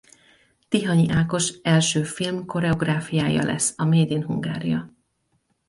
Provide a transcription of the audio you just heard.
Tihanyi Ákos első film-koreográfiája lesz a Made In Hungária.